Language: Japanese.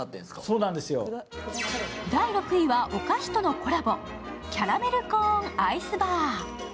第６位はお菓子とのコラボ、キャラメルコーンアイスバー。